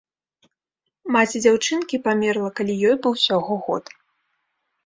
Маці дзяўчынкі памерла, калі ёй быў усяго год.